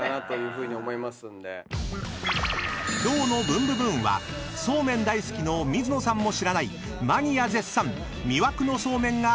［今日の『ブンブブーン！』はそうめん大好きの水野さんも知らないマニア絶賛魅惑のそうめんが大集合！］